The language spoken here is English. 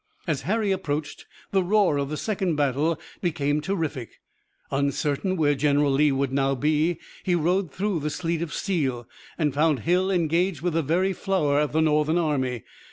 As Harry approached, the roar of the second battle became terrific. Uncertain where General Lee would now be, he rode through the sleet of steel, and found Hill engaged with the very flower of the Northern army.